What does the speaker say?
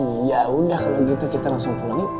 iya udah kalau gitu kita langsung pulangin